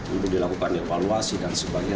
untuk dilakukan evaluasi dan sebagainya